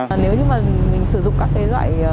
nếu như mình sử dụng các loại